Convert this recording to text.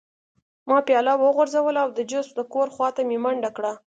ما پیاله وغورځوله او د جوزف د کور خوا ته مې منډه کړه